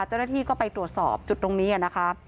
เจ้าหน้าที่ก็ไปตรวจสอบจุดตรงนี้นะคะ